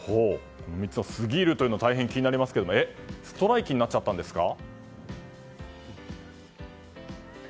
３つのすぎるというのは大変気になりますがストライキになったんですか。